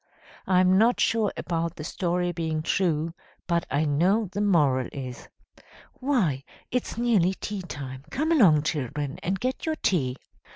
I'm not sure about the story being true, but I know the moral is. Why, it's nearly tea time. Come along, children, and get your tea."